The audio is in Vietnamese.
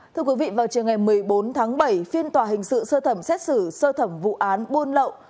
thưa quý vị vào trường ngày một mươi bốn tháng bảy phiên tòa hình sự sơ thẩm xét xử sơ thẩm vụ án buôn lậu